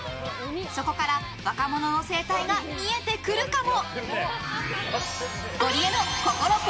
そこから若者の生態が見えてくるかも。